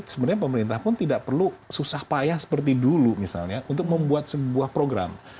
sebenarnya pemerintah pun tidak perlu susah payah seperti dulu misalnya untuk membuat sebuah program